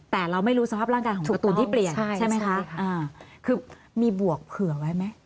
แต่เราไม่รู้สภาพร่างกายของตัวตูนที่เปลี่ยนใช่ไหมคะอ่าคือมีบวกเผื่อไว้ไหม